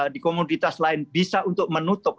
di komoditas lain bisa untuk menutup